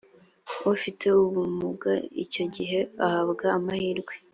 ufite ubumuga icyo gihe ahabwa amahirwe